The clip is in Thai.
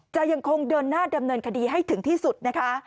จะยังคงเดินหน้าดำเนินคดีให้ถึงที่สุดนะคะ